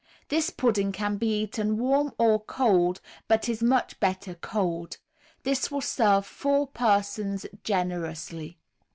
This pudding can be eaten warm or cold, but is much better cold. This will serve four persons generously.